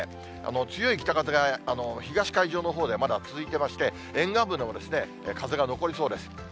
強い北風が東海上のほうでまだ続いてまして、沿岸部では風が残りそうです。